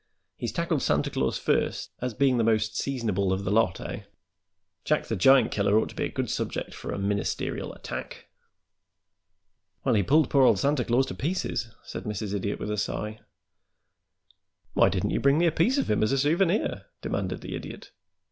"He's tackled Santa Claus first, as being the most seasonable of the lot, eh? Jack the Giant Killer ought to be a good subject for a ministerial attack." "Well, he pulled poor old Santa Claus to pieces," said Mrs. Idiot, with a sigh. "Why didn't you bring me a piece of him as a souvenir?" demanded the Idiot.